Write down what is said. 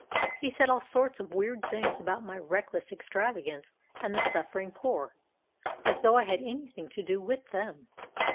He said all sorts of weird things about my reckless extravagance and the suffering poor as though I had anything to do with them.